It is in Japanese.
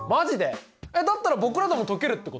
だったら僕らでも解けるってこと？